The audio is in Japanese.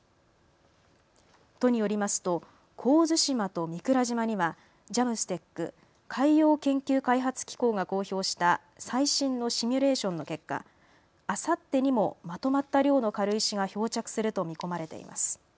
都によりますと神津島と御蔵島にはＪＡＭＳＴＥＣ・海洋研究開発機構が公表した最新のシミュレーションの結果、あさってにもまとまった量の軽石が漂着すると見込まれています。